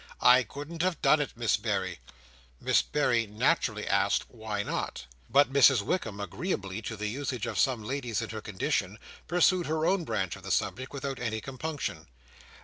I couldn't have done it, Miss Berry. Miss Berry naturally asked why not? But Mrs Wickam, agreeably to the usage of some ladies in her condition, pursued her own branch of the subject, without any compunction.